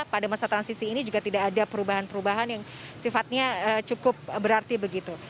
pada masa transisi ini juga tidak ada perubahan perubahan yang sifatnya cukup berarti begitu